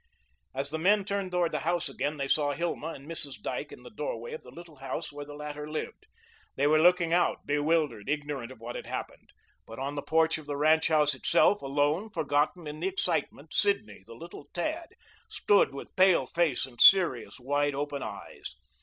As the men turned towards the house again they saw Hilma and Mrs. Dyke in the doorway of the little house where the latter lived. They were looking out, bewildered, ignorant of what had happened. But on the porch of the Ranch house itself, alone, forgotten in the excitement, Sidney the little tad stood, with pale face and serious, wide open eyes.